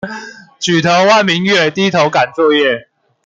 舉頭望明月，低頭趕作業